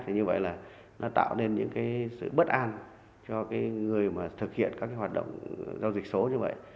thì như vậy là nó tạo nên những sự bất an cho người mà thực hiện các hoạt động giao dịch số như vậy